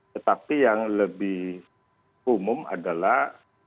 tetapi yang lebih umum adalah